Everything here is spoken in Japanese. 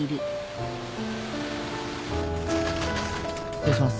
失礼します。